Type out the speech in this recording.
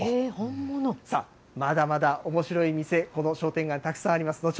さあ、まだまだおもしろい店、この商店街にたくさんあります。